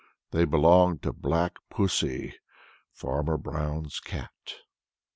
They belonged to Black Pussy, Farmer Brown's cat.